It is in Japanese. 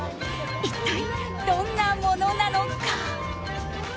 一体、どんなものなのか。